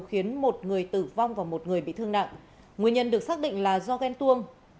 khiến một người tử vong và một người bị thương nặng nguyên nhân được xác định là do ghen tuông